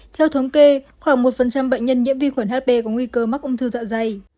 theo thống kê khoảng một bệnh nhân nhiễm vi khuẩn hb có nguy cơ mắc ung thư dạ dày